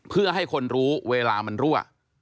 เพื่อให้คนรู้เวลามันรั่ว